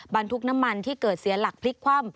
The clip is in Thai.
บรรทุกน้ำมันที่เกิดเสียหลักพลิกคว่ำ